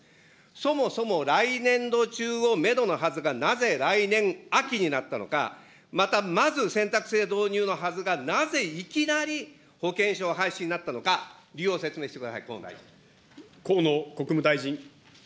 そもそも来年度中をメドのはずがなぜ来年秋になったのか、またなぜ選択制導入のはずが、なぜいきなり保険証の廃止になったのか、理由を説明してください、河野大臣。